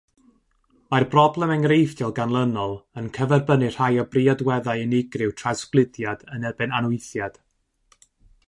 Mae'r broblem enghreifftiol ganlynol yn cyferbynnu rhai o briodweddau unigryw trawsgludiad yn erbyn anwythiad.